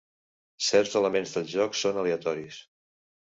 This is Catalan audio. Certs elements del joc són aleatoris.